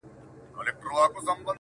زړه مي د اشنا په لاس کي وليدی!